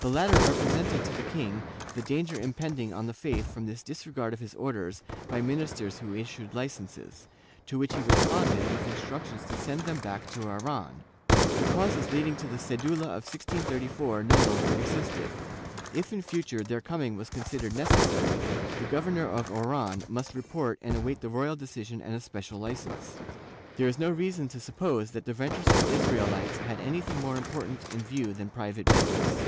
The latter represented to the king the danger impending on the faith from this disregard of his orders by ministers who issued licences, to which he respon ded with instructions to send them back to Oran: the causes leading to the cedula of 1634 no longer existed; if in future their coming were considered necessary, the Governor of Oran must report and await the royal decision and a special licence.^ There is no reason to suppose that the venturesome Israelites had any thing more important in view than private business.